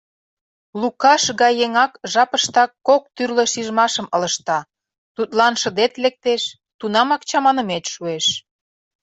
— Лукаш гай еҥак жапыштак кок тӱрлӧ шижмашым ылыжта: тудлан шыдет лектеш, тунамак чаманымет шуэш.